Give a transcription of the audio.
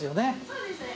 そうですね。